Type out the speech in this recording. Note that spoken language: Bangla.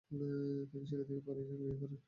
তিনি সেখান থেকে পালিয়ে যান এবং বিয়ে করেন।